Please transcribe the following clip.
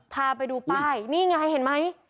พาไปดูป้ายนี่ไงเห็นไหม